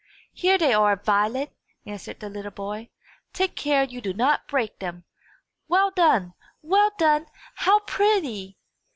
"Here they are, Violet!" answered the little boy. "Take care you do not break them. Well done! Well done! How pretty!"